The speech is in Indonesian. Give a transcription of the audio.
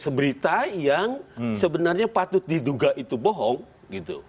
seberita yang sebenarnya patut diduga itu bohong gitu